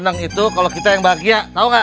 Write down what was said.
senang itu kalau kita yang bahagia tau gak